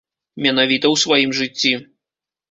Менавіта ў сваім жыцці.